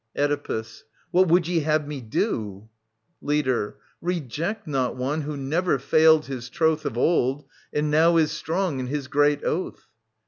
Oedipus. What would ye have me do ? Leader. Reject not one who never failed his troth Of old and now is strong in his great oath.